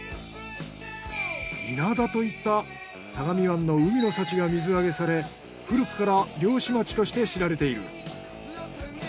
イナダといった相模湾の海の幸が水揚げされ古くから漁師町として知られている。